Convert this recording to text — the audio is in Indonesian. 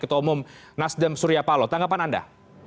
ketua umum nasdem suryapalo tanggapan anda